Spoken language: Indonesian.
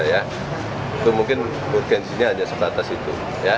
itu mungkin urgensinya ada sekatas itu